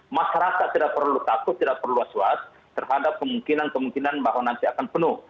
masyarakat tidak perlu takut tidak perlu was was terhadap kemungkinan kemungkinan bahwa nanti akan penuh